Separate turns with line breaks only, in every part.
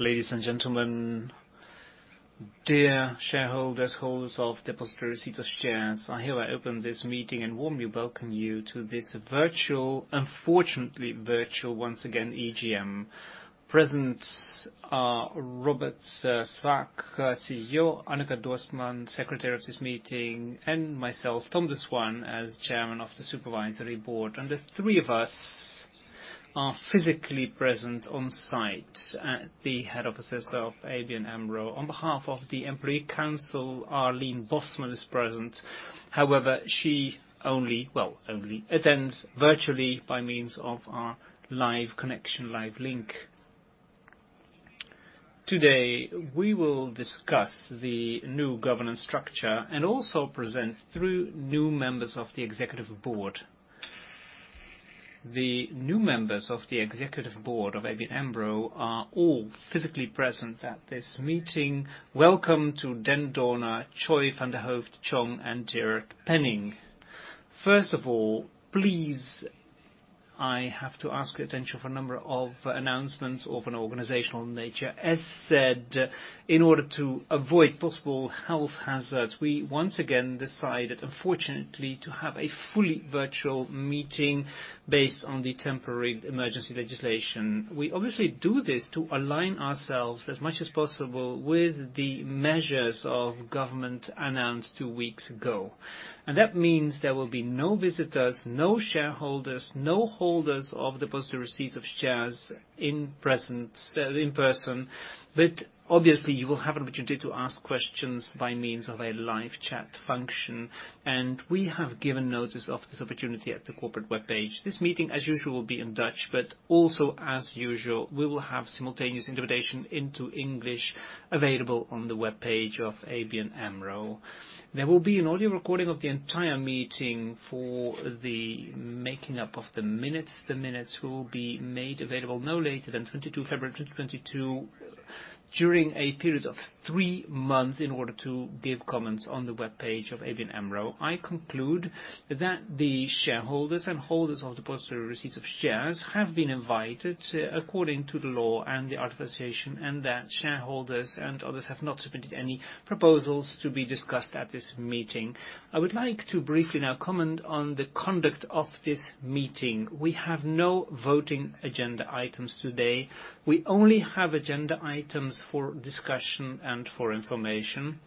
Ladies and gentlemen, dear shareholders, holders of depository receipt of shares. I hereby open this meeting and warmly welcome you to this virtual, unfortunately virtual once again, EGM. Present are Robert Swaak, CEO, Hanneke Dorsman, secretary of this meeting, and myself, Tom de Swaan, as Chairman of the Supervisory Board. The three of us are physically present on site at the head offices of ABN AMRO. On behalf of the employee council, Arlene Bosman is present. However, she only attends virtually by means of our live connection, live link. Today, we will discuss the new governance structure and also present three new members of the executive board. The new members of the executive board of ABN AMRO are all physically present at this meeting. Welcome to Dan Dorner, Choy van der Hooft-Cheong, and Gerard Penning. First of all, please, I have to ask attention for a number of announcements of an organizational nature. As said, in order to avoid possible health hazards, we once again decided, unfortunately, to have a fully virtual meeting based on the temporary emergency legislation. We obviously do this to align ourselves as much as possible with the measures of government announced two weeks ago. That means there will be no visitors, no shareholders, no holders of depository receipts of shares in presence, in person. But obviously you will have an opportunity to ask questions by means of a live chat function, and we have given notice of this opportunity at the corporate webpage. This meeting, as usual, will be in Dutch, but also as usual, we will have simultaneous interpretation into English available on the webpage of ABN AMRO. There will be an audio recording of the entire meeting for the making up of the minutes. The minutes will be made available no later than 22 February 2022 during a period of three months in order to give comments on the webpage of ABN AMRO. I conclude that the shareholders and holders of depository receipts of shares have been invited according to the law and the articles of association, and that shareholders and others have not submitted any proposals to be discussed at this meeting. I would like to briefly now comment on the conduct of this meeting. We have no voting agenda items today. We only have agenda items for discussion and for information.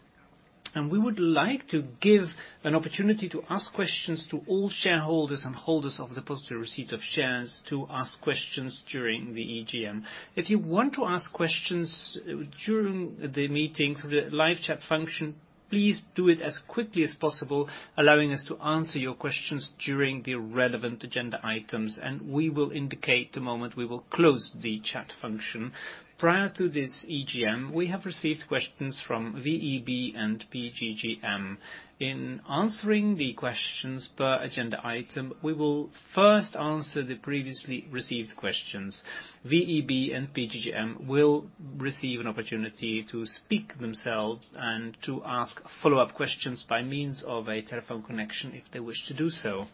We would like to give an opportunity to ask questions to all shareholders and holders of the depository receipt of shares to ask questions during the EGM. If you want to ask questions during the meeting through the live chat function, please do it as quickly as possible, allowing us to answer your questions during the relevant agenda items, and we will indicate the moment we will close the chat function. Prior to this EGM, we have received questions from VEB and PGGM. In answering the questions per agenda item, we will first answer the previously received questions. VEB and PGGM will receive an opportunity to speak themselves and to ask follow-up questions by means of a telephone connection if they wish to do so.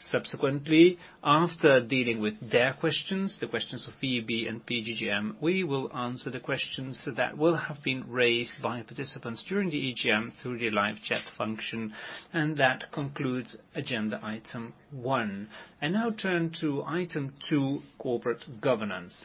Subsequently, after dealing with their questions, the questions of VEB and PGGM, we will answer the questions that will have been raised by participants during the EGM through the live chat function. That concludes agenda item one. I now turn to item two, Corporate Governance.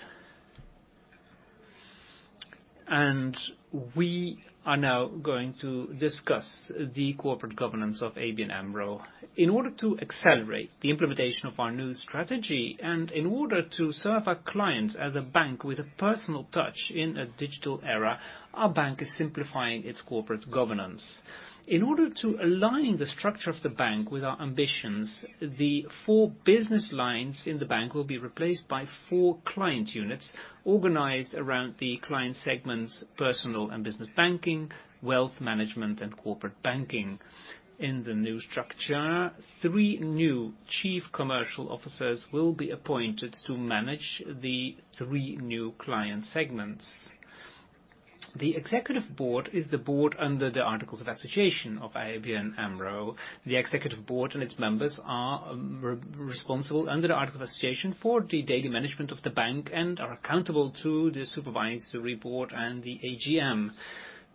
We are now going to discuss the corporate governance of ABN AMRO. In order to accelerate the implementation of our new strategy and in order to serve our clients as a bank with a personal touch in a digital era, our bank is simplifying its corporate governance. In order to align the structure of the bank with our ambitions, the four business lines in the bank will be replaced by four client units organized around the client segments, personal and business banking, wealth management, and corporate banking. In the new structure, three new Chief Commercial Officers will be appointed to manage the three new client segments. The Executive Board is the board under the articles of association of ABN AMRO. The Executive Board and its members are responsible under the articles of association for the daily management of the bank and are accountable to the Supervisory Board and the AGM.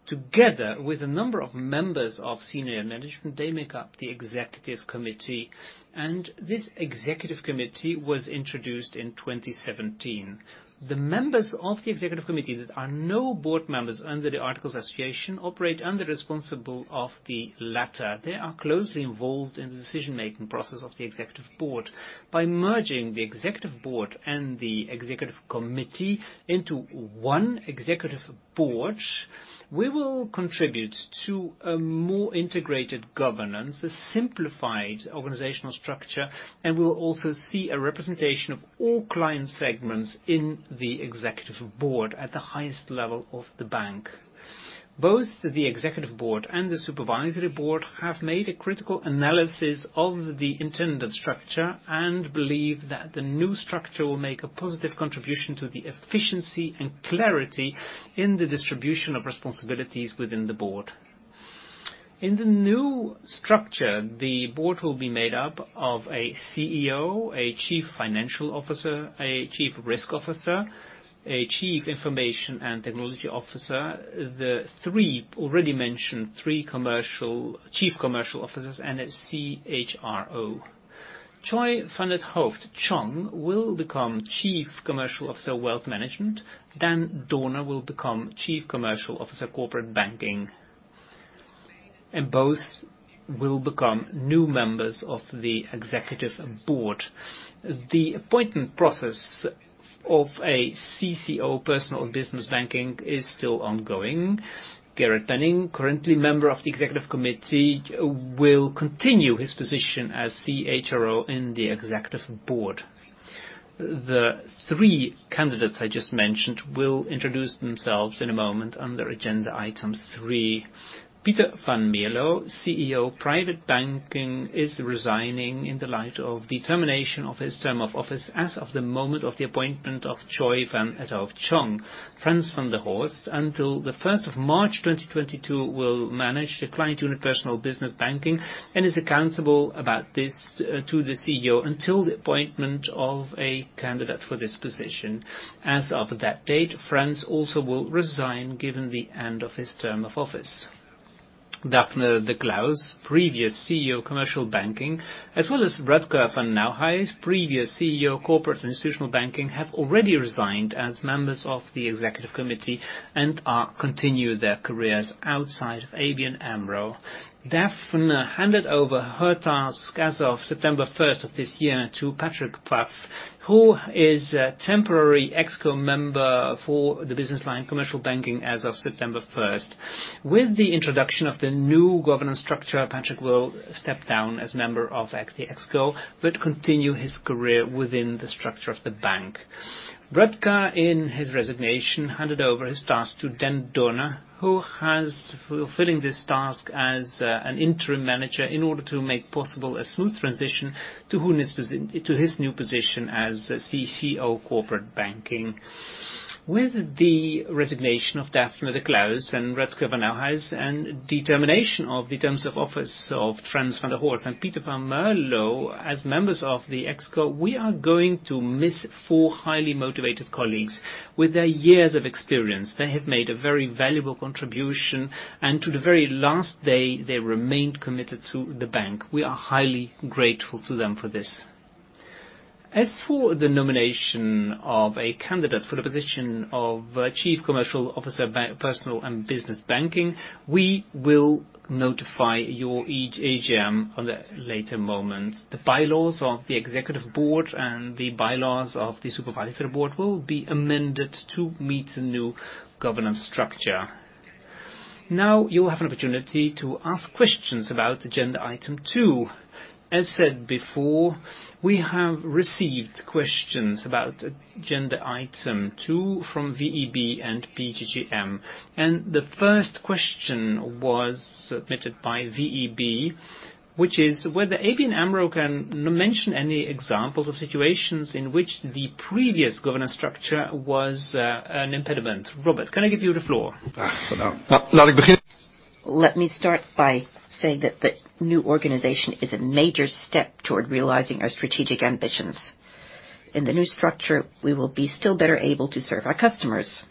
Together with a number of members of senior management, they make up the Executive Committee, and this Executive Committee was introduced in 2017. The members of the Executive Committee that are no board members under the articles of association operate under the responsibility of the latter. They are closely involved in the decision-making process of the Executive Board. By merging the Executive Board and the Executive Committee into one Executive Board, we will contribute to a more integrated governance, a simplified organizational structure, and we'll also see a representation of all client segments in the Executive Board at the highest level of the bank. Both the executive board and the supervisory board have made a critical analysis of the intended structure and believe that the new structure will make a positive contribution to the efficiency and clarity in the distribution of responsibilities within the board. In the new structure, the board will be made up of a CEO, a Chief Financial Officer, a Chief Risk Officer, a Chief Information and Technology Officer. The three already mentioned Chief Commercial Officers, and a CHRO. Choy van der Hooft-Cheong will become Chief Commercial Officer of Wealth Management. Dan Dorner will become Chief Commercial Officer, Corporate Banking. Both will become new members of the executive board. The appointment process of a CCO Personal and Business Banking is still ongoing. Gerard Penning, currently member of the Executive Committee, will continue his position as CHRO in the executive board. The three candidates I just mentioned will introduce themselves in a moment under agenda item three. Pieter van Mierlo, CEO, Private Banking, is resigning in the light of the termination of his term of office as of the moment of the appointment of Choy van der Hooft-Cheong. Frans van der Horst, until the first of March 2022, will manage the client unit, Personal Business Banking, and is accountable about this to the CEO until the appointment of a candidate for this position. As of that date, Frans also will resign given the end of his term of office. Daphne de Kluis, previous CEO, Commercial Banking, as well as Rutger van Nouhuijs, previous CEO, Corporate & Institutional Banking, have already resigned as members of the Executive Committee and are continued their careers outside of ABN AMRO. Daphne de Kluis handed over her task as of September first of this year to Patrick Pfaff, who is temporary ExCo member for the business line Commercial Banking as of September first. With the introduction of the new governance structure, Patrick will step down as member of the ExCo, but continue his career within the structure of the bank. Rutger van Nouhuijs, in his resignation, handed over his task to Dan Dorner, who is fulfilling this task as an interim manager in order to make possible a smooth transition to his new position as CCO Corporate Banking. With the resignation of Daphne de Kluis and Rutger van Nouhuijs, and the termination of the terms of office of Frans van der Horst and Pieter van Mierlo as members of the ExCo, we are going to miss four highly motivated colleagues. With their years of experience, they have made a very valuable contribution, and to the very last day, they remained committed to the bank. We are highly grateful to them for this. As for the nomination of a candidate for the position of Chief Commercial Officer, Personal and Business Banking, we will notify your EGM at a later moment. The bylaws of the executive board and the bylaws of the supervisory board will be amended to meet the new governance structure. Now you have an opportunity to ask questions about agenda item two. As said before, we have received questions about agenda item two from VEB and PGGM. The first question was submitted by VEB, which is whether ABN AMRO can mention any examples of situations in which the previous governance structure was an impediment. Robert, can I give you the floor?
Let me start by saying that the new organization is a major step toward realizing our strategic ambitions. In the new structure, we will be still better able to serve our customers.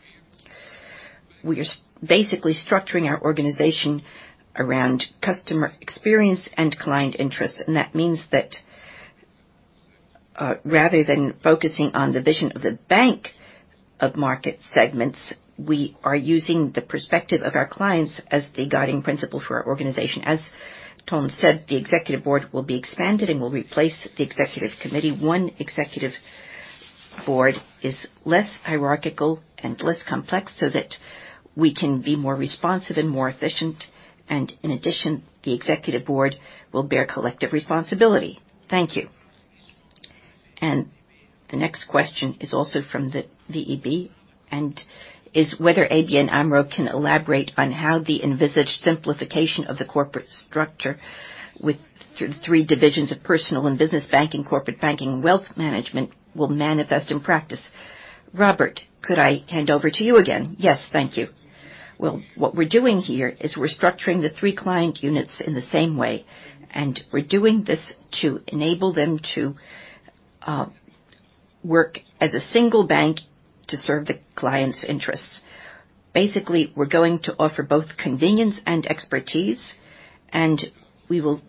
We are basically structuring our organization around customer experience and client interests. That means that, rather than focusing on the vision of the bank of market segments, we are using the perspective of our clients as the guiding principle for our organization. As Tom said, the Executive Board will be expanded and will replace the Executive Committee. One Executive Board is less hierarchical and less complex, so that we can be more responsive and more efficient. In addition, the Executive Board will bear collective responsibility.
Thank you. The next question is also from the VEB and is whether ABN AMRO can elaborate on how the envisaged simplification of the corporate structure with three divisions of personal and business banking, corporate banking, and wealth management will manifest in practice. Robert, could I hand over to you again?
Yes, thank you. Well, what we're doing here is we're structuring the three client units in the same way, and we're doing this to enable them to work as a single bank to serve the clients' interests. Basically, we're going to offer both convenience and expertise, and we will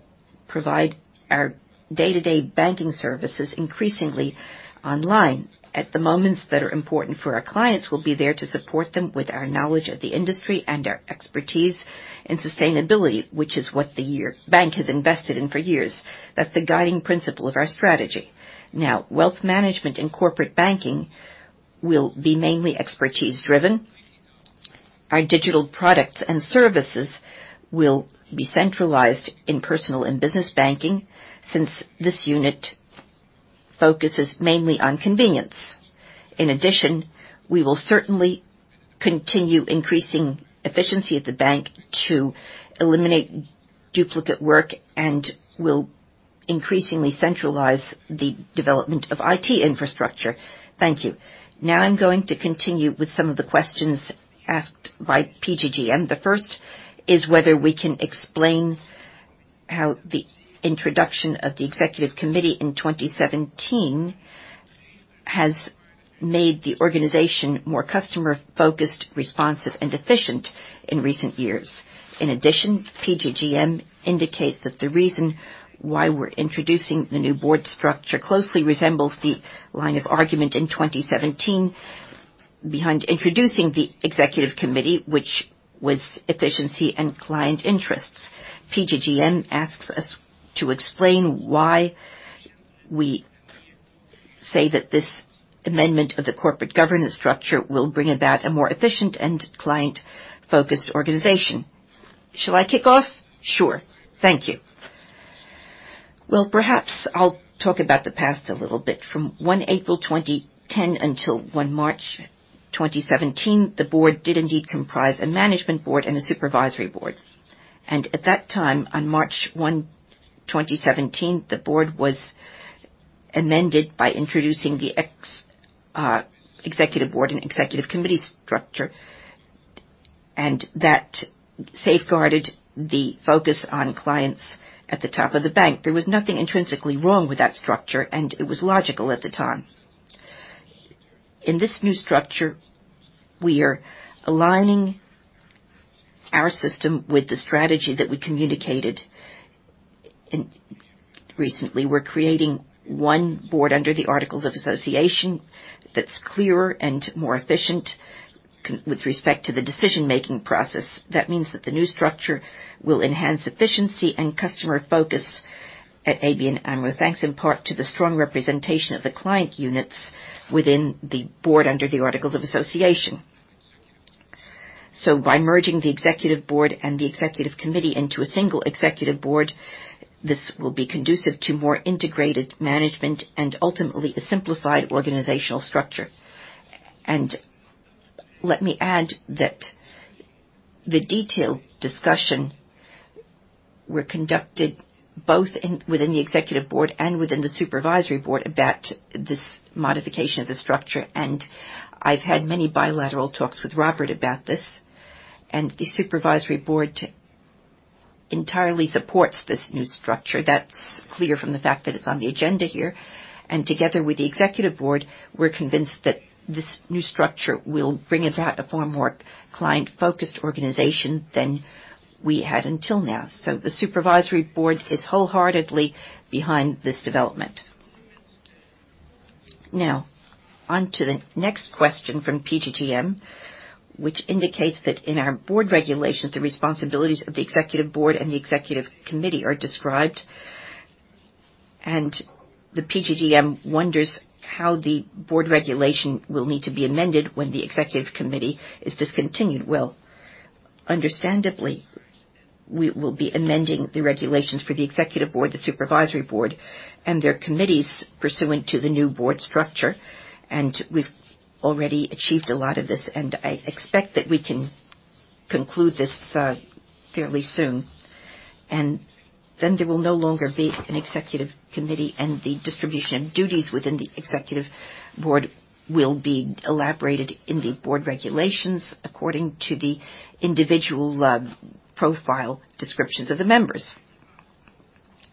provide our day-to-day banking services increasingly online. At the moments that are important for our clients, we'll be there to support them with our knowledge of the industry and our expertise in sustainability, which is what the bank has invested in for years. That's the guiding principle of our strategy. Now, wealth management and corporate banking will be mainly expertise-driven. Our digital products and services will be centralized in personal and business banking since this unit focuses mainly on convenience. In addition, we will certainly continue increasing efficiency at the bank to eliminate duplicate work, and increasingly centralize the development of IT infrastructure.
Thank you. Now I'm going to continue with some of the questions asked by PGGM. The first is whether we can explain how the introduction of the Executive Committee in 2017 has made the organization more customer-focused, responsive, and efficient in recent years. In addition, PGGM indicates that the reason why we're introducing the new board structure closely resembles the line of argument in 2017 behind introducing the Executive Committee, which was efficiency and client interests. PGGM asks us to explain why we say that this amendment of the corporate governance structure will bring about a more efficient and client-focused organization.
Shall I kick off?
Sure.
Thank you. Well, perhaps I'll talk about the past a little bit. From 1 April 2010 until 1 March 2017, the board did indeed comprise a Management Board and a Supervisory Board. At that time, on 1 March 2017, the board was amended by introducing the Executive Board and Executive Committee structure, and that safeguarded the focus on clients at the top of the bank. There was nothing intrinsically wrong with that structure, and it was logical at the time. In this new structure, we are aligning our system with the strategy that we communicated recently. We're creating one board under the articles of association that's clearer and more efficient with respect to the decision-making process. That means that the new structure will enhance efficiency and customer focus at ABN AMRO, thanks in part to the strong representation of the client units within the board under the articles of association. By merging the executive board and the executive committee into a single executive board, this will be conducive to more integrated management and ultimately a simplified organizational structure.
Let me add that the detailed discussions were conducted both within the executive board and within the supervisory board about this modification of the structure, and I've had many bilateral talks with Robert about this. The supervisory board entirely supports this new structure. That's clear from the fact that it's on the agenda here. Together with the Executive Board, we're convinced that this new structure will bring about a far more client-focused organization than we had until now. The Supervisory Board is wholeheartedly behind this development. Now on to the next question from PGGM, which indicates that in our board regulations, the responsibilities of the Executive Board and the Executive Committee are described. The PGGM wonders how the board regulation will need to be amended when the Executive Committee is discontinued. Well, understandably, we will be amending the regulations for the Executive Board, the Supervisory Board and their committees pursuant to the new board structure. We've already achieved a lot of this, and I expect that we can conclude this fairly soon. There will no longer be an Executive Committee, and the distribution of duties within the Executive Board will be elaborated in the board regulations according to the individual profile descriptions of the members.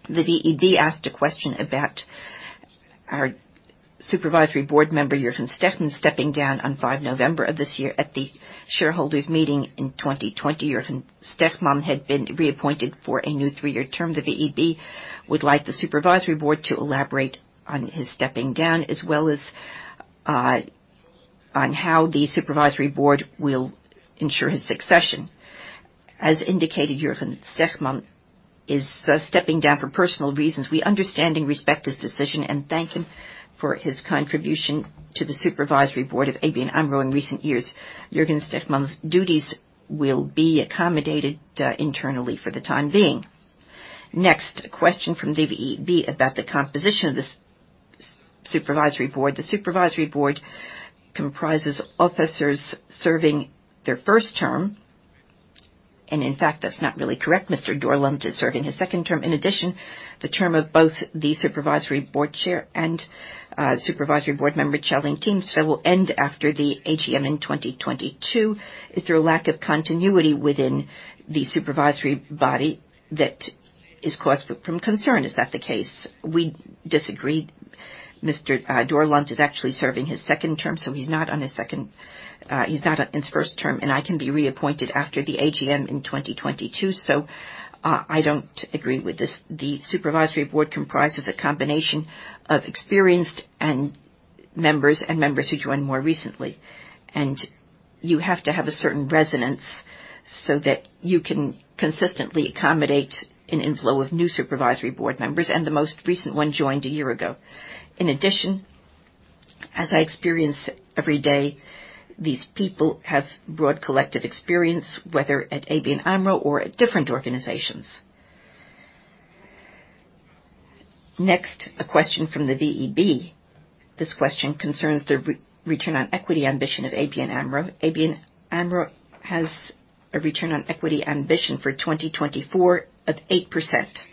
The VEB asked a question about our Supervisory Board member, Jürgen Stegmann, stepping down on 5 November of this year at the shareholders meeting in 2020. Jürgen Stegmann had been reappointed for a new three year term. The VEB would like the Supervisory Board to elaborate on his stepping down, as well as on how the Supervisory Board will ensure his succession. As indicated, Jürgen Stegmann is stepping down for personal reasons. We understand and respect his decision and thank him for his contribution to the Supervisory Board of ABN AMRO in recent years. Jürgen Stegmann's duties will be accommodated internally for the time being. Next, a question from the VEB about the composition of the Supervisory Board. The Supervisory Board comprises officers serving their first term, and in fact, that's not really correct. Mr. Dorland is serving his second term. In addition, the term of both the Supervisory Board chair and Supervisory Board member Tjalling Tiemstra will end after the AGM in 2022. Is there a lack of continuity within the supervisory body that is cause for concern? Is that the case? We disagree. Mr. Dorland is actually serving his second term, so he's not on his first term, and I can be reappointed after the AGM in 2022. I don't agree with this. The Supervisory Board comprises a combination of experienced members and members who joined more recently. You have to have a certain resonance so that you can consistently accommodate an inflow of new supervisory board members, and the most recent one joined a year ago. In addition, as I experience every day, these people have broad collective experience, whether at ABN AMRO or at different organizations. Next, a question from the VEB. This question concerns the return on equity ambition of ABN AMRO. ABN AMRO has a return on equity ambition for 2024 of 8%,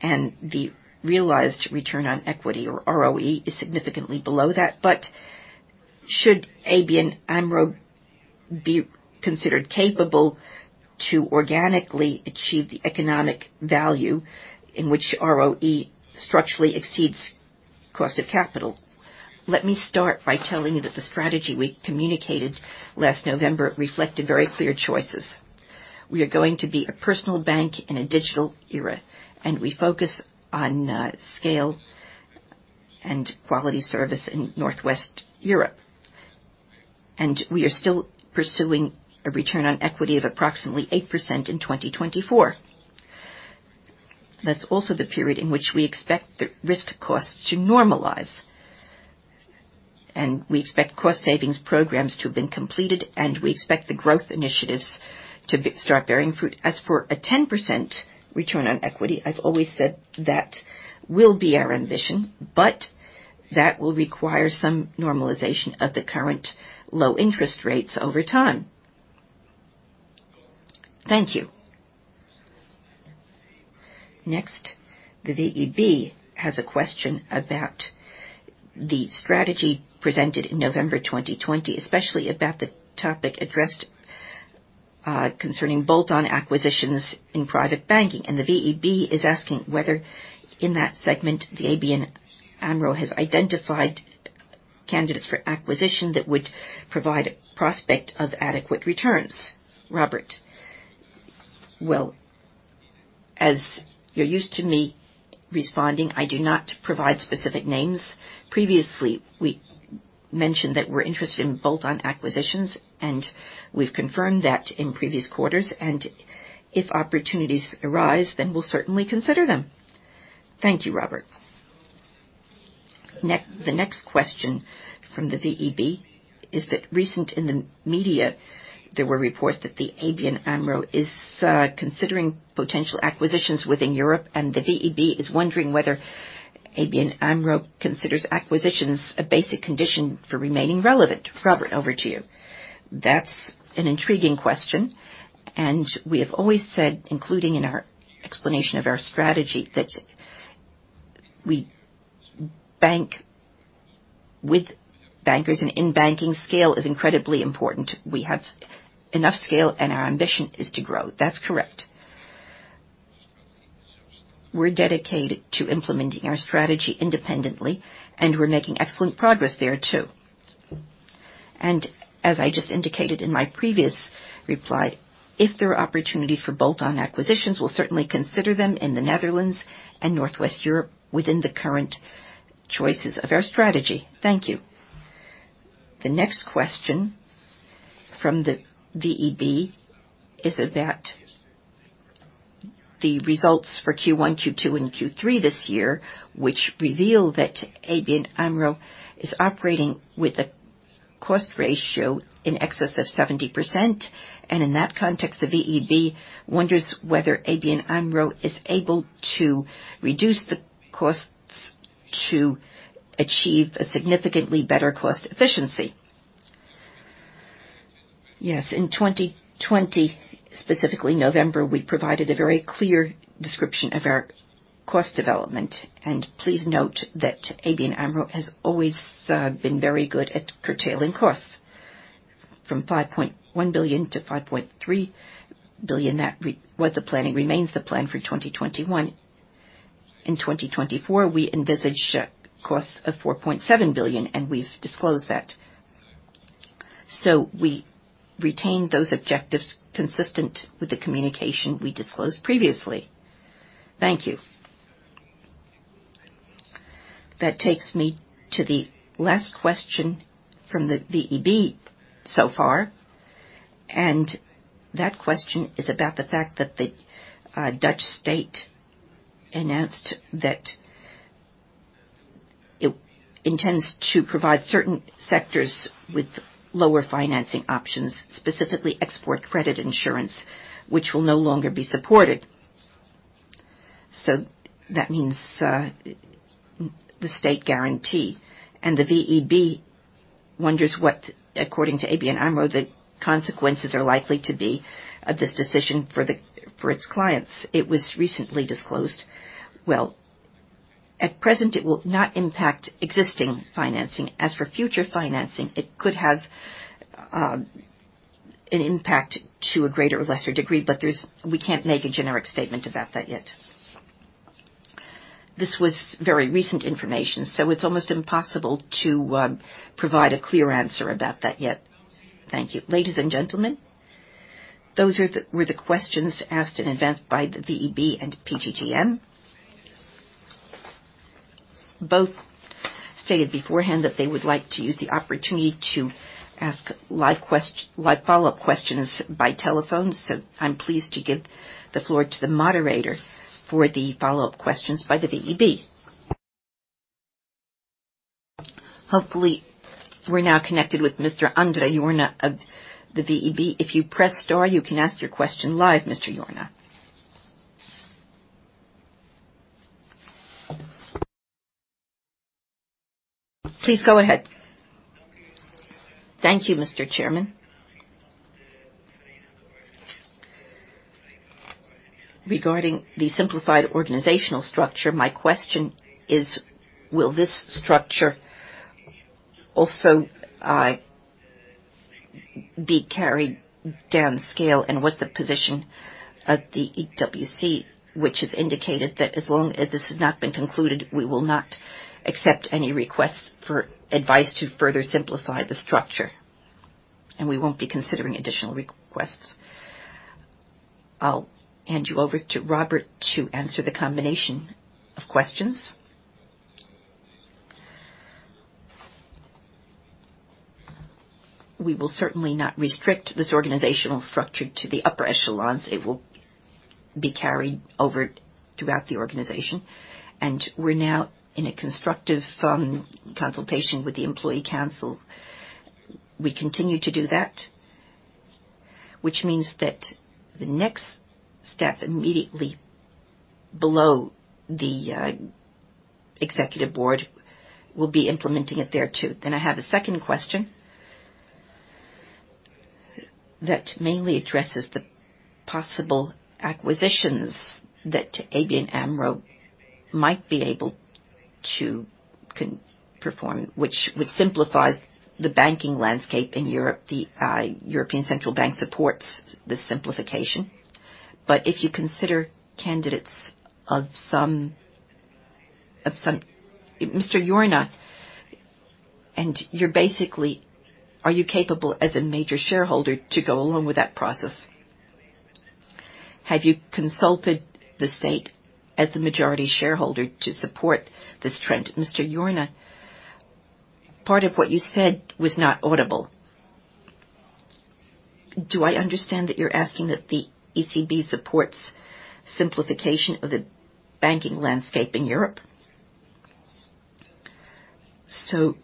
and the realized return on equity or ROE is significantly below that. Should ABN AMRO be considered capable to organically achieve the economic value in which ROE structurally exceeds cost of capital?
Let me start by telling you that the strategy we communicated last November reflected very clear choices. We are going to be a personal bank in a digital era, and we focus on scale and quality service in Northwest Europe. We are still pursuing a return on equity of approximately 8% in 2024. That's also the period in which we expect the risk costs to normalize. We expect cost savings programs to have been completed, and we expect the growth initiatives to start bearing fruit. As for a 10% return on equity, I've always said that will be our ambition, but that will require some normalization of the current low interest rates over time.
Thank you. Next, the VEB has a question about the strategy presented in November 2020, especially about the topic addressed concerning bolt-on acquisitions in private banking. The VEB is asking whether, in that segment, the ABN AMRO has identified candidates for acquisition that would provide a prospect of adequate returns. Robert?
Well, as you're used to me responding, I do not provide specific names. Previously, we mentioned that we're interested in bolt-on acquisitions, and we've confirmed that in previous quarters. If opportunities arise, then we'll certainly consider them.
Thank you, Robert. The next question from the VEB is that recently in the media, there were reports that the ABN AMRO is considering potential acquisitions within Europe, and the VEB is wondering whether ABN AMRO considers acquisitions a basic condition for remaining relevant. Robert, over to you.
That's an intriguing question, and we have always said, including in our explanation of our strategy, that we bank with bankers and in banking, scale is incredibly important. We have enough scale, and our ambition is to grow. That's correct. We're dedicated to implementing our strategy independently, and we're making excellent progress there too. As I just indicated in my previous reply, if there are opportunities for bolt-on acquisitions, we'll certainly consider them in the Netherlands and Northwest Europe within the current choices of our strategy.
Thank you. The next question from the VEB is about the results for Q1, Q2, and Q3 this year, which reveal that ABN AMRO is operating with a cost ratio in excess of 70%. In that context, the VEB wonders whether ABN AMRO is able to reduce the costs to achieve a significantly better cost efficiency.
Yes, in 2020, specifically November, we provided a very clear description of our cost development. Please note that ABN AMRO has always been very good at curtailing costs from 5.1 billion-5.3 billion. That was the plan and remains the plan for 2021. In 2024, we envisage costs of 4.7 billion, and we've disclosed that. We retain those objectives consistent with the communication we disclosed previously.
Thank you. That takes me to the last question from the VEB so far. That question is about the fact that the Dutch state announced that it intends to provide certain sectors with lower financing options, specifically export credit insurance, which will no longer be supported. That means the state guarantee. The VEB wonders what, according to ABN AMRO, the consequences are likely to be of this decision for its clients. It was recently disclosed.
Well, at present, it will not impact existing financing. As for future financing, it could have an impact to a greater or lesser degree, but we can't make a generic statement about that yet. This was very recent information, so it's almost impossible to provide a clear answer about that yet.
Thank you. Ladies and gentlemen, those were the questions asked in advance by the VEB and PGGM. Both stated beforehand that they would like to use the opportunity to ask live follow-up questions by telephone. I'm pleased to give the floor to the moderator for the follow-up questions by the VEB.
Hopefully, we're now connected with Mr. André Jorna of the VEB. If you press star, you can ask your question live, Mr. Jorna. Please go ahead.
Thank you, Mr. Chairman. Regarding the simplified organizational structure, my question is, will this structure also be carried down scale? What's the position of the EWC, which has indicated that as long as this has not been concluded, we will not accept any requests for advice to further simplify the structure, and we won't be considering additional requests.
I'll hand you over to Robert to answer the combination of questions.
We will certainly not restrict this organizational structure to the upper echelons. It will be carried over throughout the organization, and we're now in a constructive consultation with the employee council. We continue to do that, which means that the next step, immediately below the Executive Board, will be implementing it there too.
I have a second question that mainly addresses the possible acquisitions that ABN AMRO might be able to perform, which would simplify the banking landscape in Europe. The European Central Bank supports this simplification, but if you consider candidates, Mr. Jorna, are you capable as a major shareholder to go along with that process? Have you consulted the state as the majority shareholder to support this trend?
Mr. Jorna, part of what you said was not audible. Do I understand that you're asking if the ECB supports simplification of the banking landscape in Europe? So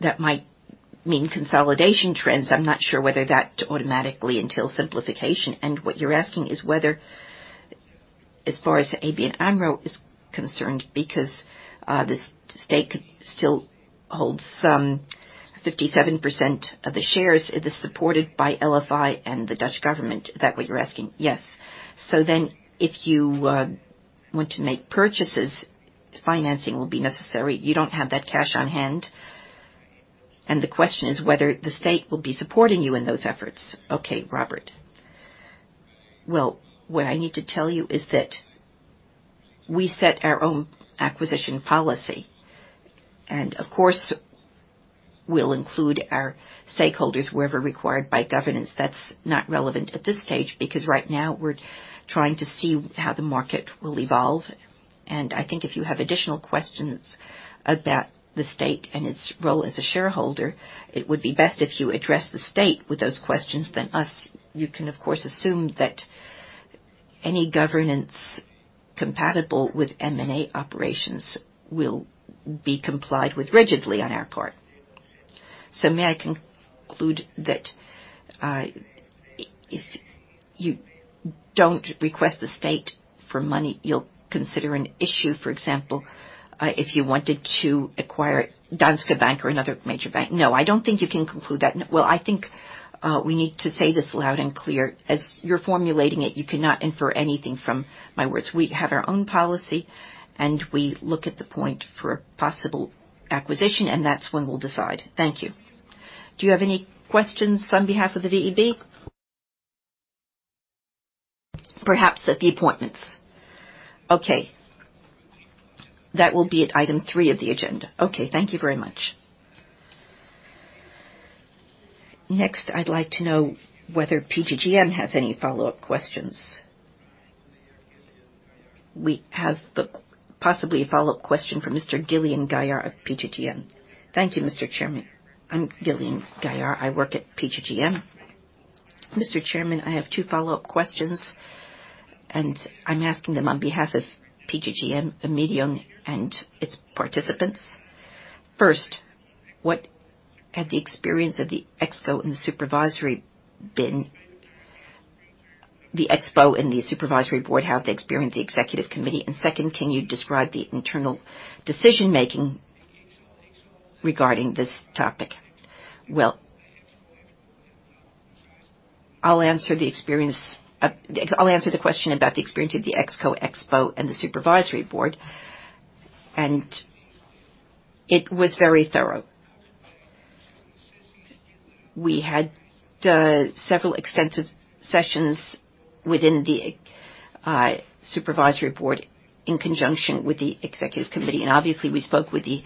that might mean consolidation trends. I am not sure whether that automatically entails simplification. What you're asking is whether, as far as ABN AMRO is concerned, because the state still holds some 57% of the shares, it is supported by NLFI and the Dutch government. Is that what you're asking?
Yes. If you want to make purchases, financing will be necessary. You don't have that cash on hand. The question is whether the state will be supporting you in those efforts.
Okay. Robert.
Well, what I need to tell you is that we set our own acquisition policy, and of course, we'll include our stakeholders wherever required by governance. That's not relevant at this stage, because right now we're trying to see how the market will evolve. I think if you have additional questions about the state and its role as a shareholder, it would be best if you address the state with those questions than us. You can, of course, assume that any governance compatible with M&A operations will be complied with rigidly on our part.
May I conclude that, if you don't request the state for money, you'll consider an issue, for example, if you wanted to acquire Danske Bank or another major bank?
No, I don't think you can conclude that.
Well, I think we need to say this loud and clear. As you're formulating it, you cannot infer anything from my words. We have our own policy, and we look at the point for a possible acquisition, and that's when we'll decide.
Thank you. Do you have any questions on behalf of the VEB?
Perhaps at the appointments.
Okay. That will be at item three of the agenda.
Okay. Thank you very much.
Next, I'd like to know whether PGGM has any follow-up questions. We have possibly a follow-up question from Ms. Gillian Gailliaert of PGGM.
Thank you, Mr. Chairman. I'm Gillian Gailliaert. I work at PGGM. Mr. Chairman, I have two follow-up questions, and I'm asking them on behalf of PGGM, APG and its participants. First, what has been the experience of the ExCo and the Supervisory Board? And second, can you describe the internal decision-making regarding this topic?
Well, I'll answer the question about the experience of the ExCo and the Supervisory Board, and it was very thorough. We had several extensive sessions within the Supervisory Board in conjunction with the Executive Committee, and obviously, we spoke with the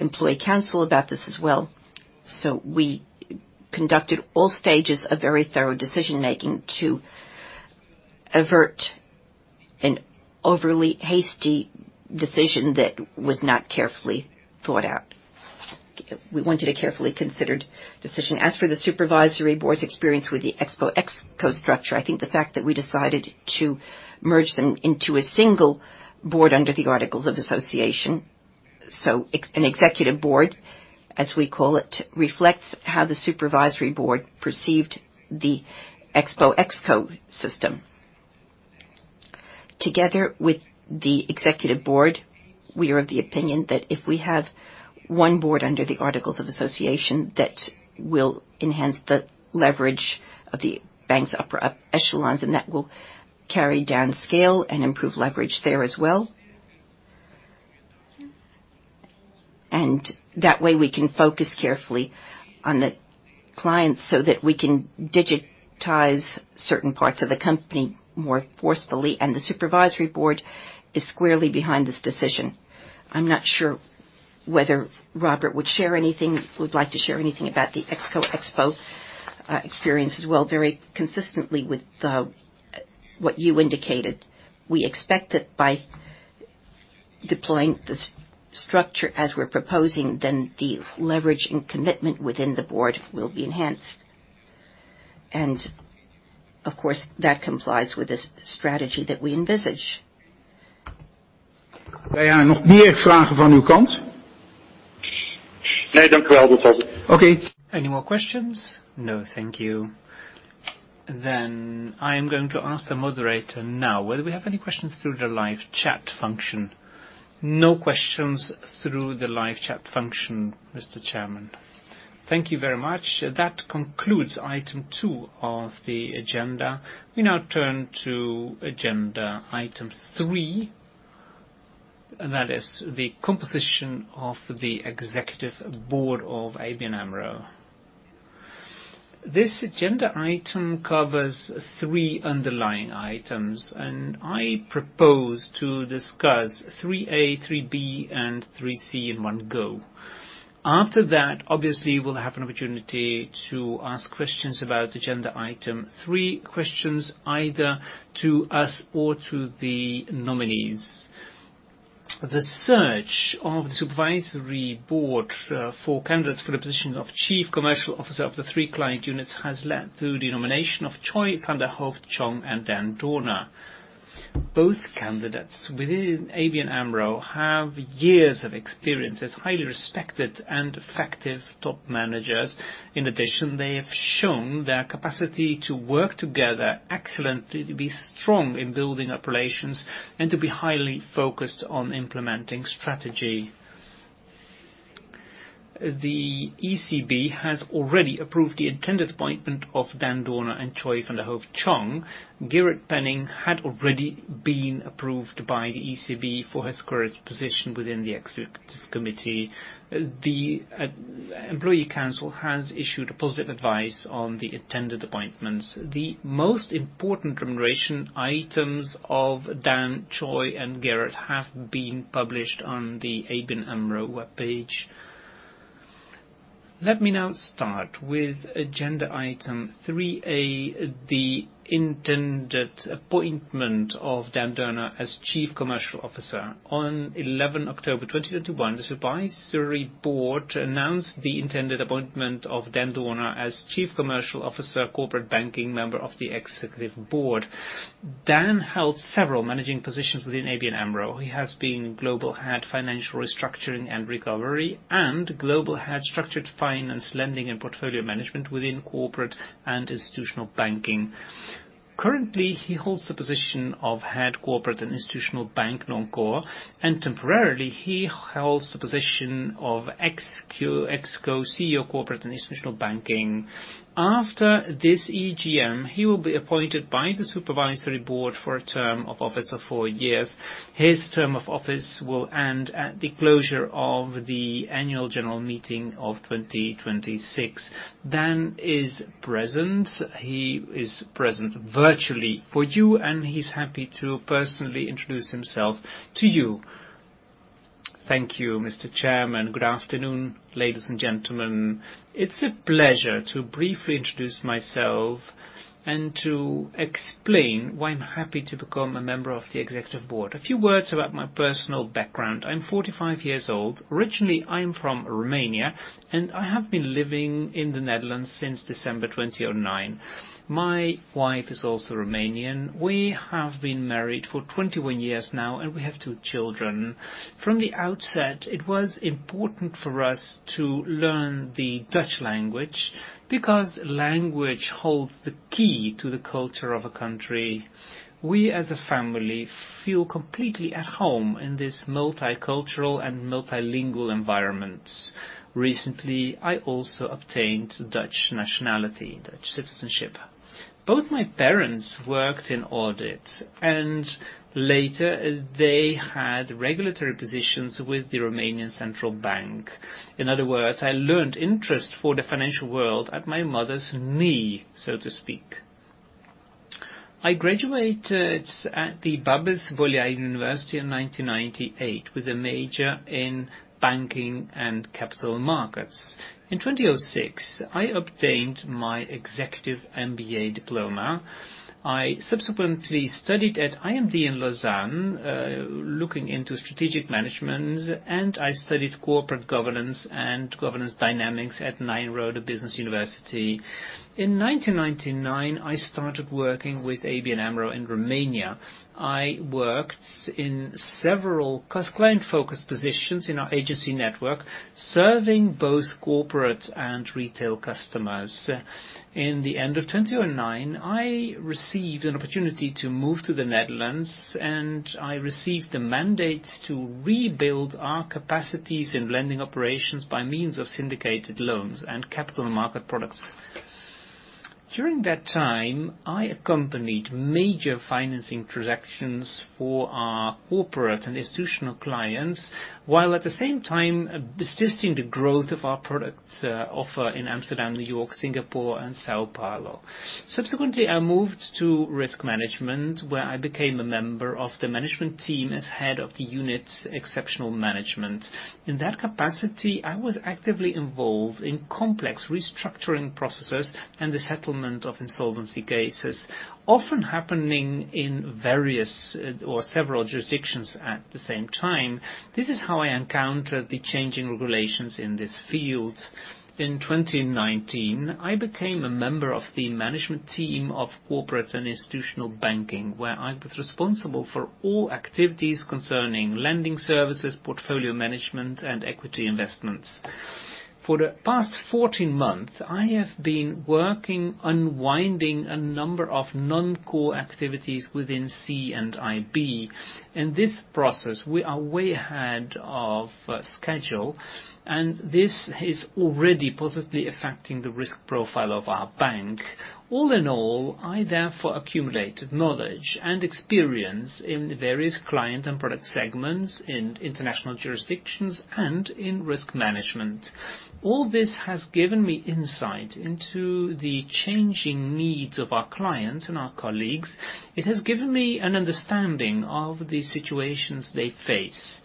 Employee Council about this as well. We conducted all stages of very thorough decision-making to avert an overly hasty decision that was not carefully thought out. We wanted a carefully considered decision. As for the Supervisory Board's experience with the ExCo structure, I think the fact that we decided to merge them into a single board under the articles of association, an executive board, as we call it, reflects how the Supervisory Board perceived the ExCo system. Together with the Executive Board, we are of the opinion that if we have one board under the articles of association, that will enhance the leverage of the bank's upper echelons, and that will cascade and improve leverage there as well. That way, we can focus carefully on the clients so that we can digitize certain parts of the company more forcefully, and the supervisory board is squarely behind this decision. I'm not sure whether Robert would like to share anything about the ExCo experience as well, very consistently with what you indicated.
We expect that by deploying this structure as we're proposing, then the leverage and commitment within the board will be enhanced. Of course, that complies with the strategy that we envisage.
Any more questions?
No, thank you.
I am going to ask the moderator now whether we have any questions through the live chat function.
No questions through the live chat function, Mr. Chairman.
Thank you very much. That concludes item two of the agenda. We now turn to agenda item three, and that is the composition of the Executive Board of ABN AMRO. This agenda item covers three underlying items, and I propose to discuss 3(a), 3(b), and 3(c) in one go. After that, obviously, we'll have an opportunity to ask questions about agenda item three, questions either to us or to the nominees. The search of the Supervisory Board for candidates for the position of Chief Commercial Officer of the three client units has led to the nomination of Choy van der Hooft-Cheong and Dan Dorner. Both candidates within ABN AMRO have years of experience as highly respected and effective top managers. In addition, they have shown their capacity to work together excellently, to be strong in building up relations, and to be highly focused on implementing strategy. The ECB has already approved the intended appointment of Dan Dorner and Choy van der Hooft-Cheong. Gerard Penning had already been approved by the ECB for his current position within the Executive Committee. The employee council has issued a positive advice on the intended appointments. The most important remuneration items of Dan, Choy, and Gerard have been published on the ABN AMRO webpage. Let me now start with agenda item three A, the intended appointment of Dan Dorner as Chief Commercial Officer. On 11 October 2021, the Supervisory Board announced the intended appointment of Dan Dorner as Chief Commercial Officer, Corporate Banking, member of the Executive Board. Dan held several managing positions within ABN AMRO. He has been Global Head, Financial Restructuring and Recovery, and Global Head, Structured Finance Lending and Portfolio Management, within Corporate and Institutional Banking. Currently, he holds the position of Head, Corporate and Institutional Bank, non-core, and temporarily, he holds the position of ExCo CEO, Corporate and Institutional Banking. After this EGM, he will be appointed by the Supervisory Board for a term of office of four years. His term of office will end at the closure of the annual general meeting of 2026. Dan is present. He is present virtually for you, and he's happy to personally introduce himself to you.
Thank you, Mr. Chairman. Good afternoon, ladies and gentlemen. It's a pleasure to briefly introduce myself and to explain why I'm happy to become a member of the Executive Board. A few words about my personal background. I'm 45 years old. Originally, I'm from Romania, and I have been living in the Netherlands since December 2009. My wife is also Romanian. We have been married for 21 years now, and we have two children. From the outset, it was important for us to learn the Dutch language because language holds the key to the culture of a country. We, as a family, feel completely at home in this multicultural and multilingual environment. Recently, I also obtained Dutch nationality, Dutch citizenship. Both my parents worked in audit, and later, they had regulatory positions with the National Bank of Romania. In other words, I learned an interest in the financial world at my mother's knee, so to speak. I graduated at the Babeș-Bolyai University in 1998 with a major in banking and capital markets. In 2006, I obtained my executive MBA diploma. I subsequently studied at IMD in Lausanne looking into strategic management, and I studied corporate governance and governance dynamics at Nyenrode Business University. In 1999, I started working with ABN AMRO in Romania. I worked in several customer-focused positions in our agency network, serving both corporate and retail customers. In the end of 2009, I received an opportunity to move to the Netherlands, and I received the mandate to rebuild our capacities in lending operations by means of syndicated loans and capital market products. During that time, I accompanied major financing transactions for our corporate and institutional clients, while at the same time assisting the growth of our product offer in Amsterdam, New York, Singapore and São Paulo. Subsequently, I moved to Risk Management, where I became a member of the management team as head of the unit's exceptional management. In that capacity, I was actively involved in complex restructuring processes and the settlement of insolvency cases, often happening in various or several jurisdictions at the same time. This is how I encountered the changing regulations in this field. In 2019, I became a member of the management team of Corporate & Institutional Banking, where I was responsible for all activities concerning lending services, portfolio management and equity investments. For the past 14 months, I have been working, unwinding a number of non-core activities within CIB. In this process, we are way ahead of schedule and this is already positively affecting the risk profile of our bank. All in all, I therefore accumulated knowledge and experience in the various client and product segments, in international jurisdictions and in risk management. All this has given me insight into the changing needs of our clients and our colleagues. It has given me an understanding of the situations they face.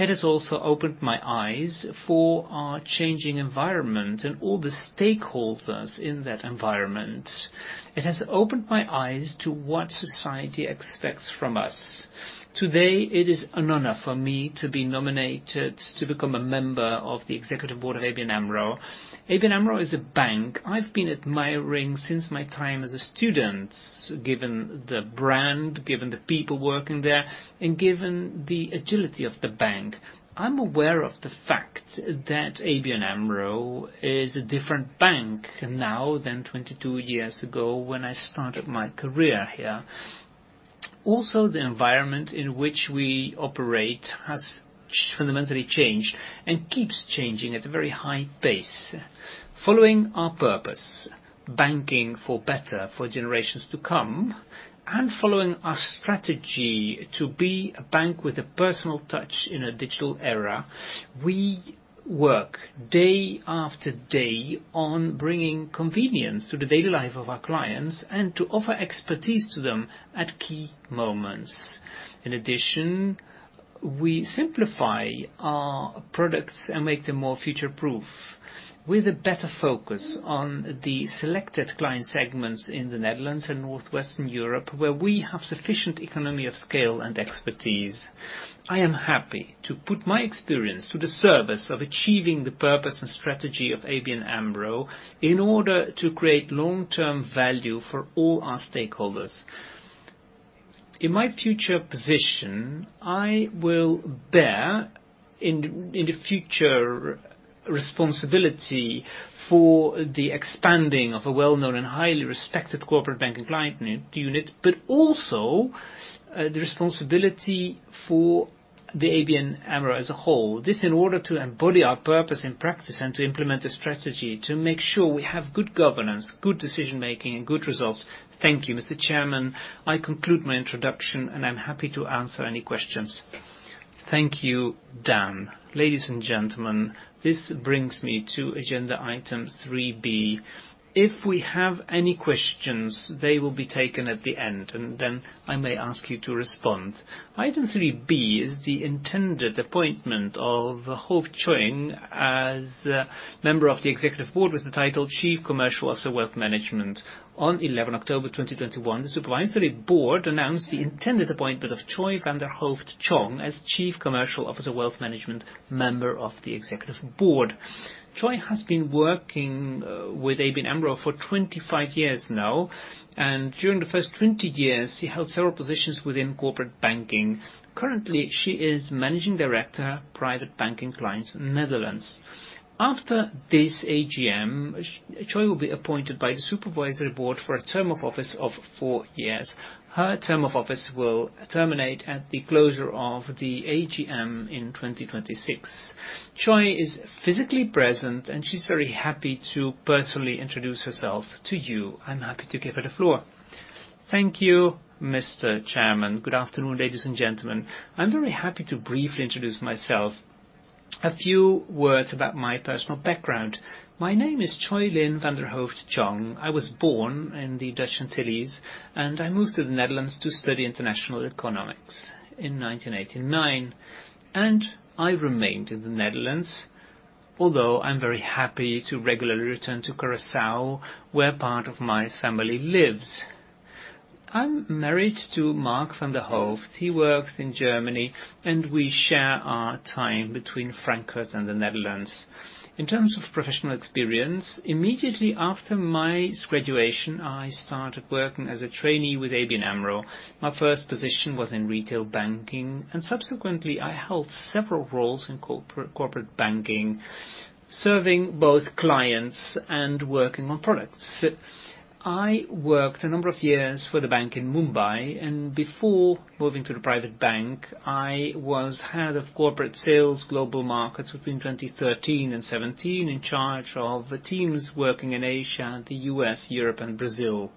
It has also opened my eyes for our changing environment and all the stakeholders in that environment. It has opened my eyes to what society expects from us. Today it is an honor for me to be nominated to become a member of the Executive Board of ABN AMRO. ABN AMRO is a bank I've been admiring since my time as a student, given the brand, given the people working there, and given the agility of the bank. I'm aware of the fact that ABN AMRO is a different bank now than 22 years ago when I started my career here. Also, the environment in which we operate has fundamentally changed and keeps changing at a very high pace. Following our purpose, banking for better for generations to come, and following our strategy to be a bank with a personal touch in a digital era, we work day after day on bringing convenience to the daily life of our clients and to offer expertise to them at key moments. In addition, we simplify our products and make them more future-proof with a better focus on the selected client segments in the Netherlands and northwestern Europe, where we have sufficient economy of scale and expertise. I am happy to put my experience to the service of achieving the purpose and strategy of ABN AMRO in order to create long-term value for all our stakeholders. In my future position, I will bear in the future responsibility for the expanding of a well-known and highly respected corporate banking client unit, but also, the responsibility for the ABN AMRO as a whole. This in order to embody our purpose in practice and to implement the strategy to make sure we have good governance, good decision-making, and good results. Thank you, Mr. Chairman. I conclude my introduction, and I'm happy to answer any questions.
Thank you, Dan. Ladies and gentlemen, this brings me to agenda item 3(b). If we have any questions, they will be taken at the end, and then I may ask you to respond. Item 3(b) is the intended appointment of Choy-Lin van der Hooft-Cheong as member of the Executive Board with the title Chief Commercial Officer of Wealth Management. On October 2021, the Supervisory Board announced the intended appointment of Choy-Lin van der Hooft-Cheong as Chief Commercial Officer, Wealth Management, member of the Executive Board. Choy-Lin has been working with ABN AMRO for 25 years now, and during the first 20 years, she held several positions within Corporate Banking. Currently, she is Managing Director, Private Banking Clients, Netherlands. After this AGM, Choy-Lin will be appointed by the Supervisory Board for a term of office of four years. Her term of office will terminate at the closure of the AGM in 2026. Choy-Lin is physically present, and she's very happy to personally introduce herself to you. I'm happy to give her the floor.
Thank you, Mr. Chairman. Good afternoon, ladies and gentlemen. I'm very happy to briefly introduce myself. A few words about my personal background. My name is Choy-Lin van der Hooft-Cheong. I was born in the Dutch Antilles, and I moved to the Netherlands to study international economics in 1989. I remained in the Netherlands, although I'm very happy to regularly return to Curaçao, where part of my family lives. I'm married to Mark van der Hooft. He works in Germany, and we share our time between Frankfurt and the Netherlands. In terms of professional experience, immediately after my graduation, I started working as a trainee with ABN AMRO. My first position was in retail banking, and subsequently, I held several roles in corporate banking, serving both clients and working on products. I worked a number of years for the bank in Mumbai, and before moving to the private bank, I was head of corporate sales global markets between 2013 and 2017, in charge of teams working in Asia and the U.S., Europe and Brazil.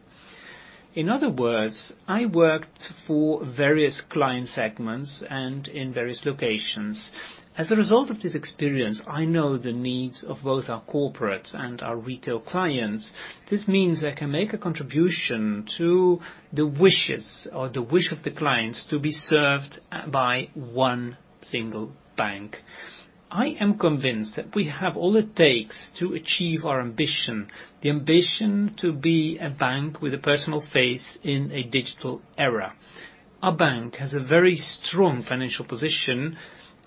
In other words, I worked for various client segments and in various locations. As a result of this experience, I know the needs of both our corporates and our retail clients. This means I can make a contribution to the wishes or the wish of the clients to be served by one single bank. I am convinced that we have all it takes to achieve our ambition. The ambition to be a bank with a personal face in a digital era. Our bank has a very strong financial position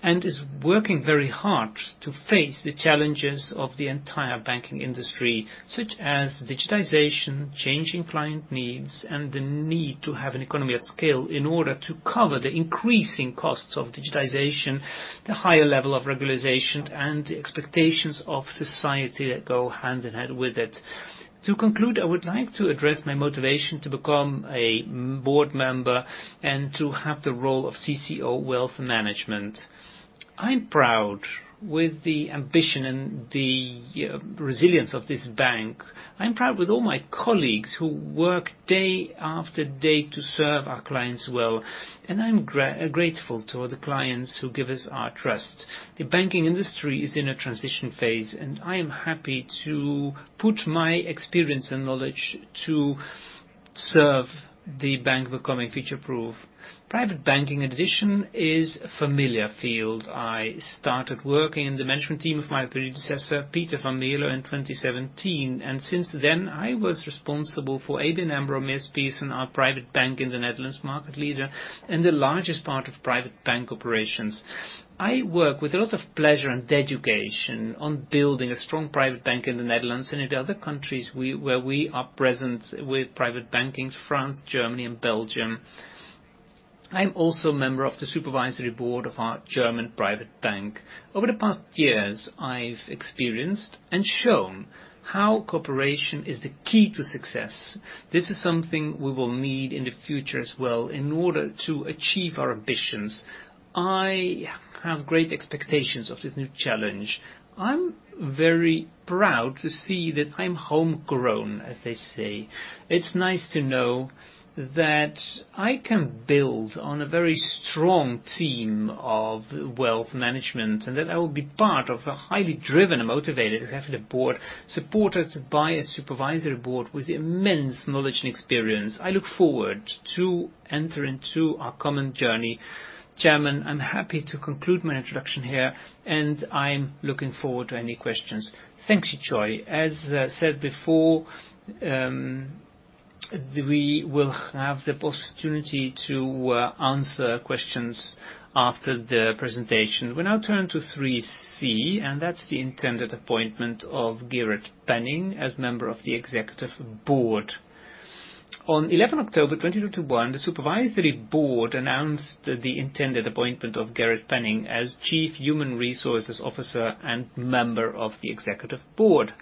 and is working very hard to face the challenges of the entire banking industry, such as digitization, changing client needs, and the need to have an economy at scale in order to cover the increasing costs of digitization, the higher level of regularization and the expectations of society that go hand in hand with it. To conclude, I would like to address my motivation to become a board member and to have the role of CCO wealth management. I'm proud with the ambition and the resilience of this bank. I'm proud with all my colleagues who work day after day to serve our clients well, and I'm grateful to the clients who give us our trust. The banking industry is in a transition phase, and I am happy to put my experience and knowledge to serve the bank becoming future-proof. Private banking division is a familiar field. I started working in the management team of my predecessor, Pieter van Mierlo, in 2017, and since then I was responsible for ABN AMRO MeesPierson and our private bank in the Netherlands, market leader and the largest part of private bank operations. I work with a lot of pleasure and dedication on building a strong private bank in the Netherlands and in the other countries where we are present with private banking, France, Germany and Belgium. I'm also a member of the supervisory board of our German private bank. Over the past years, I've experienced and shown how cooperation is the key to success. This is something we will need in the future as well in order to achieve our ambitions. I have great expectations of this new challenge. I'm very proud to see that I'm homegrown, as they say. It's nice to know that I can build on a very strong team of wealth management and that I will be part of a highly driven and motivated executive board, supported by a supervisory board with immense knowledge and experience. I look forward to entering to our common journey. Chairman, I'm happy to conclude my introduction here, and I'm looking forward to any questions.
Thank you, Choy. As said before, we will have the opportunity to answer questions after the presentation. We now turn to 3C, and that's the intended appointment of Gerard Penning as member of the executive board. On 11th October 2021, the supervisory board announced the intended appointment of Gerard Penning as Chief Human Resources Officer and member of the executive board.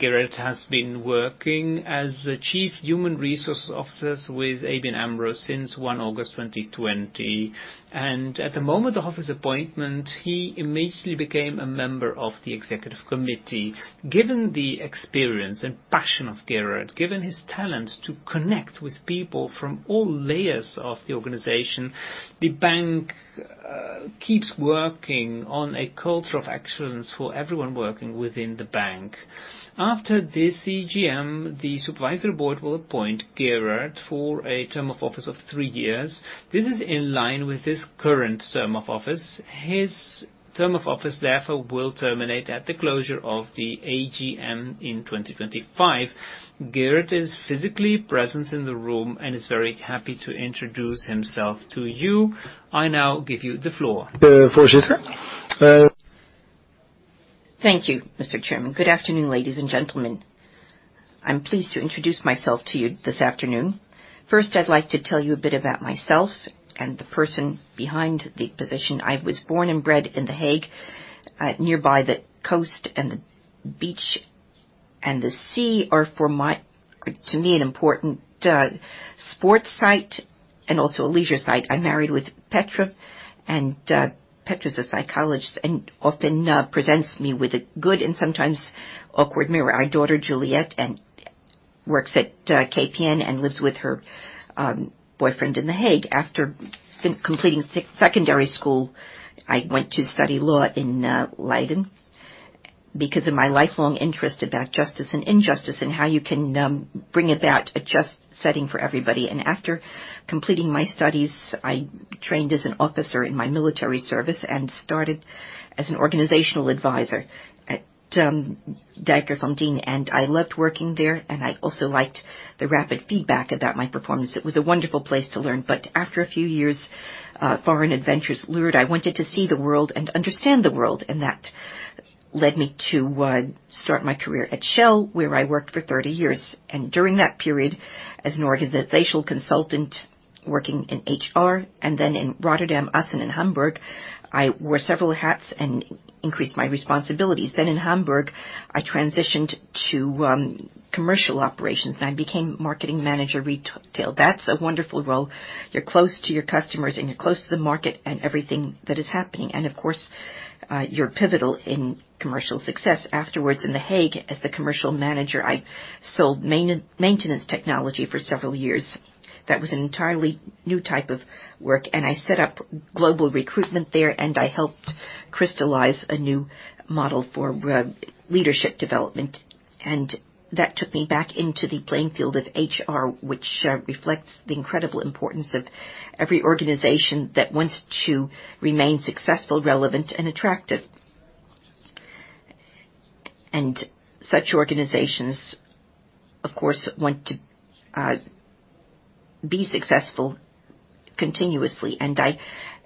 Gerard has been working as the Chief Human Resources Officer with ABN AMRO since 1 August 2020, and at the moment of his appointment, he immediately became a member of the executive committee. Given the experience and passion of Gerard, given his talent to connect with people from all layers of the organization, the bank keeps working on a culture of excellence for everyone working within the bank. After this AGM, the supervisory board will appoint Gerard for a term of office of three years. This is in line with his current term of office. His term of office, therefore, will terminate at the closure of the AGM in 2025. Gerard is physically present in the room and is very happy to introduce himself to you. I now give you the floor.
Thank you, Mr. Chairman. Good afternoon, ladies and gentlemen. I'm pleased to introduce myself to you this afternoon. First, I'd like to tell you a bit about myself and the person behind the position. I was born and bred in The Hague. Nearby the coast and the beach and the sea are to me an important sports site and also a leisure site. I married with Petra, and Petra is a psychologist and often presents me with a good and sometimes awkward mirror. Our daughter Juliet works at KPN and lives with her boyfriend in The Hague. After completing secondary school, I went to study law in Leiden because of my lifelong interest about justice and injustice and how you can bring about a just setting for everybody. After completing my studies, I trained as an officer in my military service and started as an organizational advisor at De Eik Fondsenbeheer. I loved working there, and I also liked the rapid feedback about my performance. It was a wonderful place to learn, but after a few years, foreign adventures lured. I wanted to see the world and understand the world, and that led me to start my career at Shell, where I worked for 30 years. During that period as an organizational consultant, working in HR and then in Rotterdam, Essen, and Hamburg, I wore several hats and increased my responsibilities. Then in Hamburg, I transitioned to commercial operations. I became marketing manager, retail. That's a wonderful role. You're close to your customers and you're close to the market and everything that is happening. Of course, you're pivotal in commercial success. Afterwards in The Hague as the commercial manager, I sold maintenance technology for several years. That was an entirely new type of work, and I set up global recruitment there, and I helped crystallize a new model for leadership development. That took me back into the playing field of HR, which reflects the incredible importance of every organization that wants to remain successful, relevant, and attractive. Such organizations, of course, want to be successful continuously. I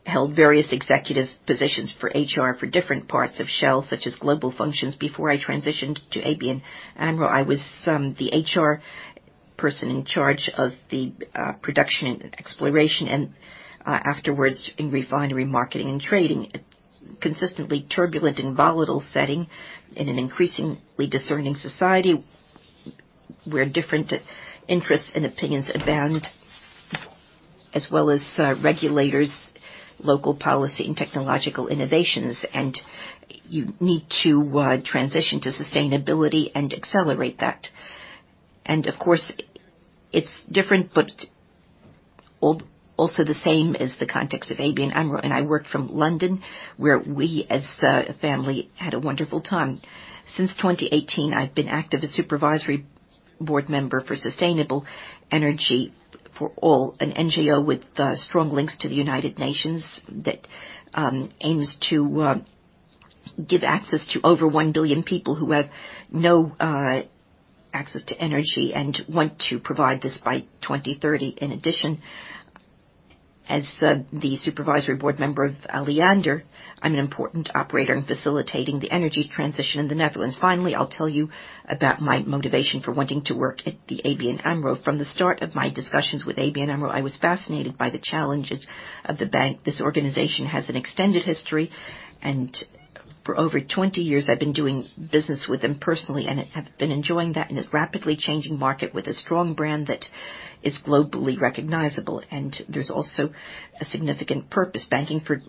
held various executive positions for HR for different parts of Shell, such as global functions, before I transitioned to ABN AMRO. I was the HR person in charge of the production exploration and afterwards in refinery marketing and trading. Consistently turbulent and volatile setting in an increasingly discerning society where different interests and opinions abound, as well as regulators, local policy and technological innovations, and you need to transition to sustainability and accelerate that. Of course, it's different but also the same as the context of ABN AMRO. I worked from London, where we as a family had a wonderful time. Since 2018, I've been active as supervisory board member for Sustainable Energy for All, an NGO with strong links to the United Nations that aims to give access to over one billion people who have no access to energy and want to provide this by 2030. In addition, as the supervisory board member of Alliander, I'm an important operator in facilitating the energy transition in the Netherlands. Finally, I'll tell you about my motivation for wanting to work at the ABN AMRO. From the start of my discussions with ABN AMRO, I was fascinated by the challenges of the bank. This organization has an extended history, and for over 20 years I've been doing business with them personally and have been enjoying that in a rapidly changing market with a strong brand that is globally recognizable. There's also a significant purpose, banking for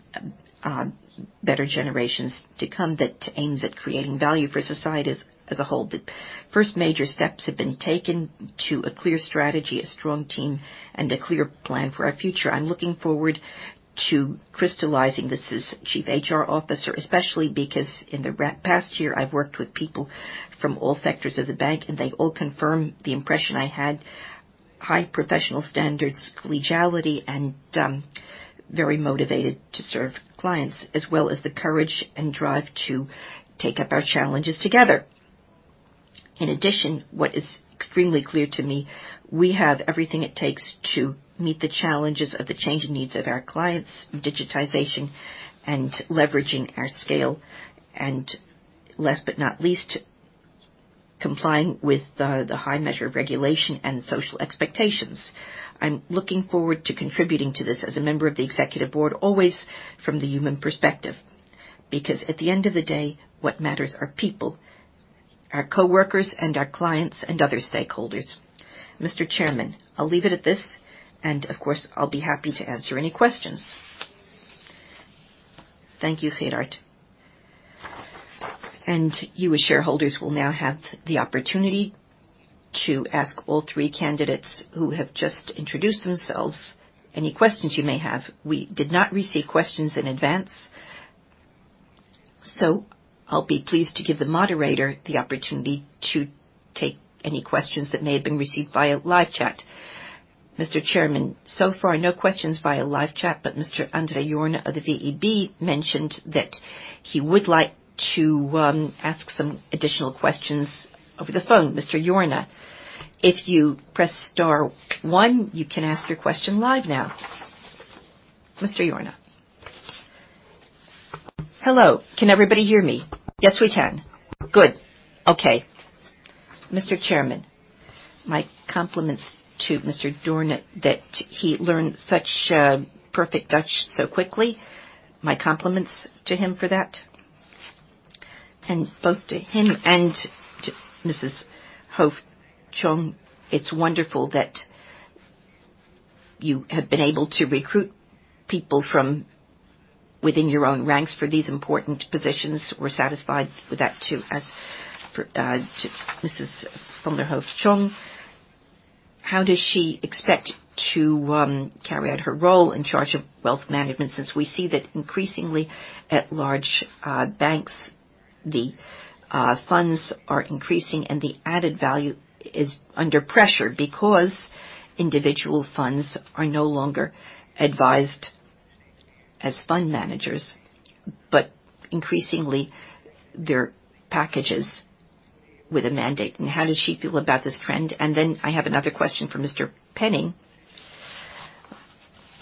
better generations to come that aims at creating value for society as a whole. The first major steps have been taken to a clear strategy, a strong team, and a clear plan for our future. I'm looking forward to crystallizing this as Chief HR Officer, especially because in the past year I've worked with people from all sectors of the bank, and they all confirm the impression I had: high professional standards, collegiality, and very motivated to serve clients, as well as the courage and drive to take up our challenges together. In addition, what is extremely clear to me, we have everything it takes to meet the challenges of the changing needs of our clients, digitization and leveraging our scale, and last but not least, complying with the high measure of regulation and social expectations. I'm looking forward to contributing to this as a member of the Executive Board, always from the human perspective, because at the end of the day, what matters are people, our coworkers and our clients and other stakeholders. Mr. Chairman, I'll leave it at this and of course I'll be happy to answer any questions.
Thank you, Gerard. You as shareholders will now have the opportunity to ask all three candidates who have just introduced themselves any questions you may have. We did not receive questions in advance, so I'll be pleased to give the moderator the opportunity to take any questions that may have been received via live chat.
Mr. Chairman. So far, no questions via live chat, but Mr. André Jorna of the VEB mentioned that he would like to ask some additional questions over the phone. Mr. Jorna, if you press star one, you can ask your question live now.
Mr. Jorna.
Hello. Can everybody hear me?
Yes, we can.
Good. Okay. Mr. Chairman, my compliments to Mr. Dorner that he learned such perfect Dutch so quickly. My compliments to him for that. Both to him and to Mrs. van der Hooft-Cheong, it's wonderful that you have been able to recruit people from within your own ranks for these important positions. We're satisfied with that too. As for to Mrs. van der Hooft-Cheong, how does she expect to carry out her role in charge of wealth management, since we see that increasingly at large banks, the funds are increasing and the added value is under pressure because individual funds are no longer advised as fund managers, but increasingly they're packages with a mandate. How does she feel about this trend? I have another question for Mr. Penning,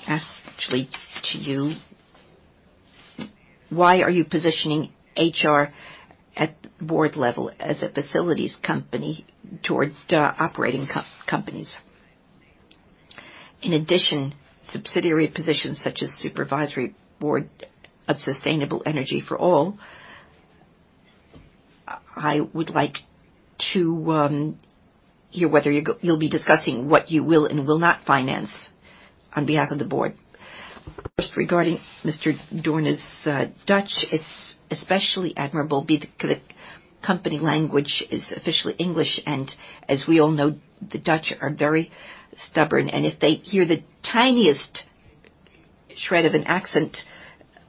actually to you. Why are you positioning HR at board level as a facilities company towards operating companies? In addition, subsidiary positions such as supervisory board of Sustainable Energy for All. I would like to hear whether you'll be discussing what you will and will not finance on behalf of the board.
First, regarding Mr. Dorner's Dutch, it's especially admirable because company language is officially English, and as we all know, the Dutch are very stubborn, and if they hear the tiniest shred of an accent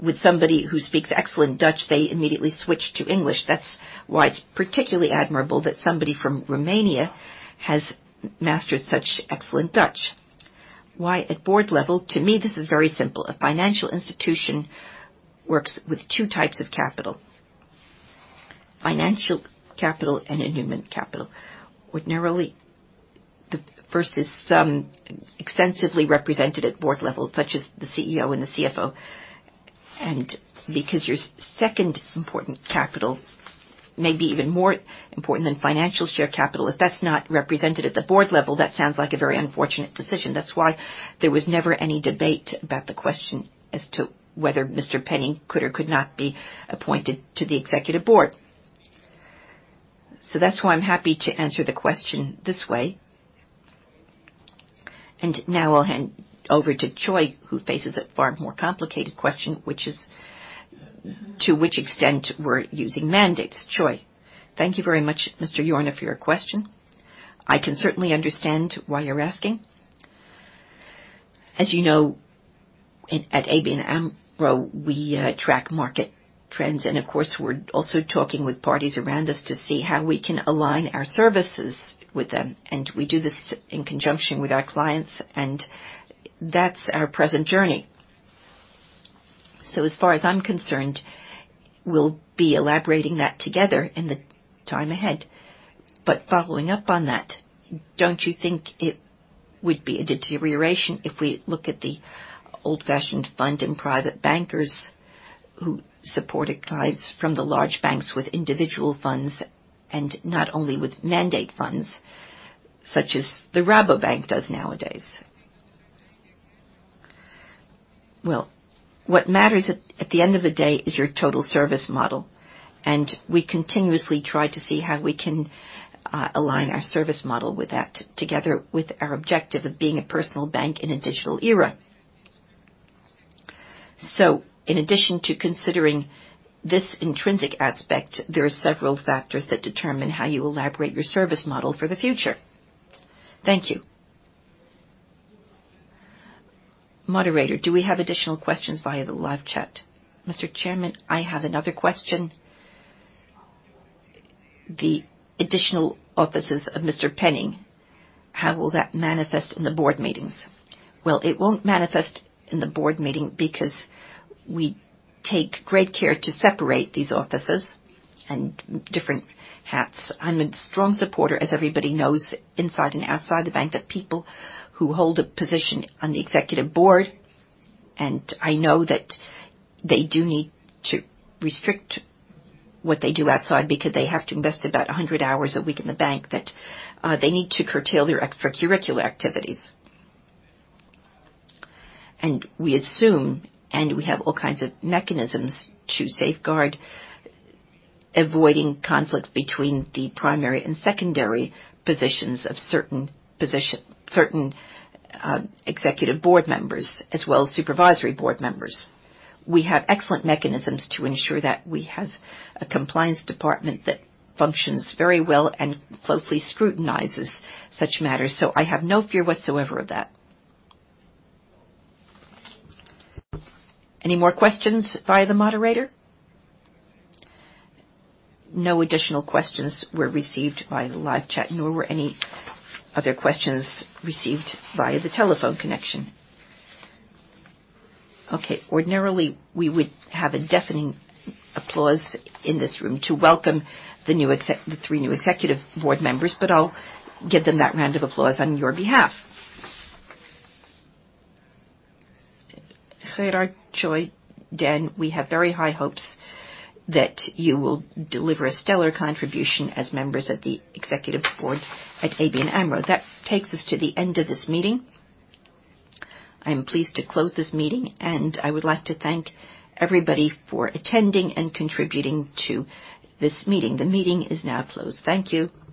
with somebody who speaks excellent Dutch, they immediately switch to English. That's why it's particularly admirable that somebody from Romania has mastered such excellent Dutch. Why at board level? To me, this is very simple. A financial institution works with two types of capital. Financial capital and human capital. Ordinarily, the first is somewhat extensively represented at board level, such as the CEO and the CFO. Because your second important capital may be even more important than financial share capital, if that's not represented at the Board level, that sounds like a very unfortunate decision. That's why there was never any debate about the question as to whether Mr. Penning could or could not be appointed to the Executive Board. That's why I'm happy to answer the question this way. Now I'll hand over to Choy, who faces a far more complicated question, which is, to which extent we're using mandates. Choy.
Thank you very much, Mr. Jorna, for your question. I can certainly understand why you're asking. As you know, at ABN AMRO, we track market trends, and of course, we're also talking with parties around us to see how we can align our services with them. We do this in conjunction with our clients, and that's our present journey. As far as I'm concerned, we'll be elaborating that together in the time ahead.
Following up on that, don't you think it would be a deterioration if we look at the old-fashioned fund and private bankers who supported clients from the large banks with individual funds and not only with mandate funds, such as the Rabobank does nowadays?
Well, what matters at the end of the day is your total service model. We continuously try to see how we can align our service model with that, together with our objective of being a personal bank in a digital era. In addition to considering this intrinsic aspect, there are several factors that determine how you elaborate your service model for the future.
Thank you.
Moderator, do we have additional questions via the live chat?
Mr. Chairman, I have another question. The additional offices of Mr. Penning, how will that manifest in the board meetings?
Well, it won't manifest in the board meeting because we take great care to separate these offices and different hats. I'm a strong supporter, as everybody knows, inside and outside the bank, that people who hold a position on the Executive Board, and I know that they do need to restrict what they do outside because they have to invest about 100 hours a week in the bank, that, they need to curtail their extracurricular activities. We assume, and we have all kinds of mechanisms to safeguard, avoiding conflict between the primary and secondary positions of certain executive board members, as well as Supervisory Board members. We have excellent mechanisms to ensure that. We have a compliance department that functions very well and closely scrutinizes such matters. I have no fear whatsoever of that. Any more questions via the moderator?
No additional questions were received via the live chat, nor were any other questions received via the telephone connection.
Okay. Ordinarily, we would have a deafening applause in this room to welcome the three new Executive Board members, but I'll give them that round of applause on your behalf. Gerard, Choy, Dan, we have very high hopes that you will deliver a stellar contribution as members of the Executive Board at ABN AMRO. That takes us to the end of this meeting. I am pleased to close this meeting, and I would like to thank everybody for attending and contributing to this meeting. The meeting is now closed. Thank you.